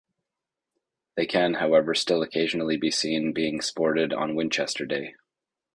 They can however still occasionally be seen being sported on Winchester Day.